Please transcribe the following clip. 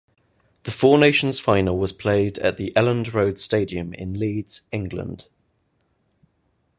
The Four Nations Final was played at the Elland Road stadium in Leeds, England.